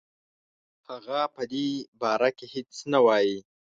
هغه په دې باره کې هیڅ نه وايي.